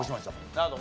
なるほど。